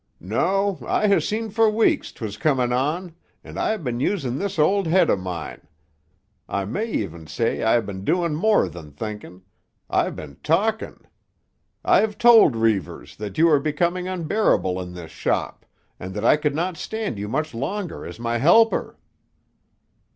No; I ha' seen for weeks 'twas coming on, and I ha' been using this auld head o' mine. I may even say I ha' been doing more than thinking; I ha' been talking. I have told Reivers that you were becoming unbearable in this shop, and that I could not stand you much longer as my helper."